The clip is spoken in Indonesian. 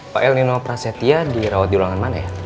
pak elinopra setia dirawat di ruangan mana ya